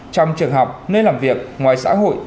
trong trường học nơi làm việc ngoài xã hội